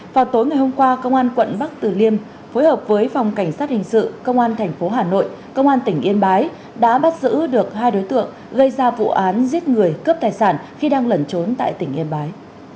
vào tối ngày hôm qua công an quận bắc tử liêm phối hợp với phòng cảnh sát hình sự công an tp hà nội công an tỉnh yên bái đã bắt giữ được hai đối tượng gây ra vụ án giết người cướp tài sản khi đang lẩn trốn tại tỉnh yên bái